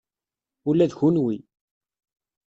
Ula d kenwi.